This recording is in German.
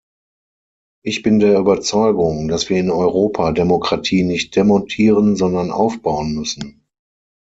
Ich bin der Überzeugung, dass wir in Europa Demokratie nicht demontieren, sondern aufbauen müssen.